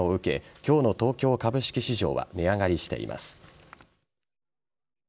今日の東京株式市場は値上がりしています。